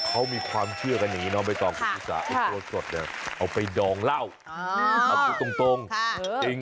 เขามีความเชื่อกันนี้เนอะไปต่อกรูปศาธิ์ให้พอตรง